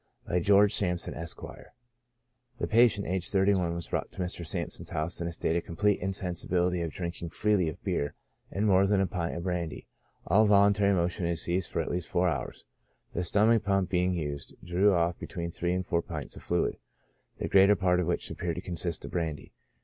Bv George Sampson, Esq." "The patient, aged 31, was brought to Mr. Sampson's house in a state of complete insensibility after drinking freely of beer, and more than a pint of brandy ; all volun tary motion had ceased for at least four hours. The stomach pump being used, drew ofF between three and four pints of fluid, the greater part of which appeared to consist of brandy.